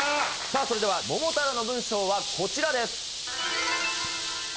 それでは『桃太郎』の文章はこちらです。